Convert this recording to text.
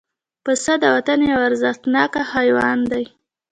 پسه د وطن یو ارزښتناک حیوان دی.